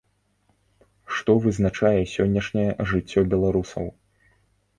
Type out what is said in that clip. Што вызначае сённяшняе жыццё беларусаў?